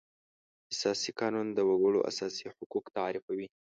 اساسي قانون د وکړو اساسي حقوق تعریفوي.